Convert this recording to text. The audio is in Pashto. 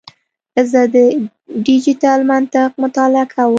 زه د ډیجیټل منطق مطالعه کوم.